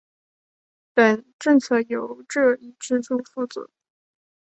等政策由这一支柱负责。